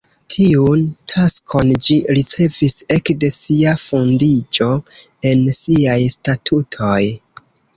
Tiun taskon ĝi ricevis ekde sia fondiĝo en siaj statutoj.